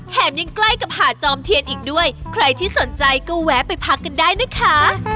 ยังใกล้กับหาดจอมเทียนอีกด้วยใครที่สนใจก็แวะไปพักกันได้นะคะ